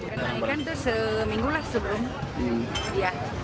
ikan itu seminggu lah sebelumnya